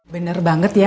bener banget ya